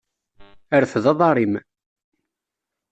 Rfed aḍar-im.